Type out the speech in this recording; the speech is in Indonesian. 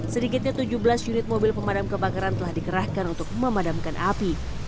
sedikitnya tujuh belas unit mobil pemadam kebakaran telah dikerahkan untuk memadamkan api